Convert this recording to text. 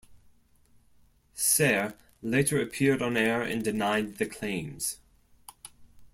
Sayer later appeared on air and denied the claims.